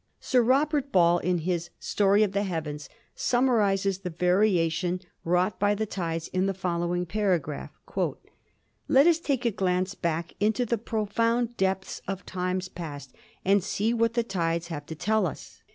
Sir Robert Ball in his "Story of the Heavens" summarizes the variation wrought by the tides in the following paragraph: "Let us take a glance back into the profound depths of times past and see what the tides have to tell us.